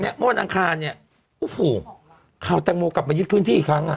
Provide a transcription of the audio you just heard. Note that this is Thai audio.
เมื่อวันอังคารข่าวแตงโมกลับมายึดพื้นที่อีกครั้ง